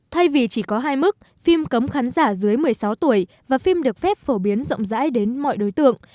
thay vì chỉ có hai mức phim cấm khán giả dưới một mươi sáu tuổi và phim được phép phổ biến rộng rãi đến mọi đối tượng